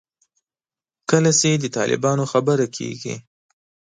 کله چې د طالبانو خبره کېږي.